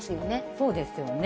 そうですよね。